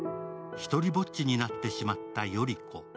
ひとりぼっちになってしまった依子。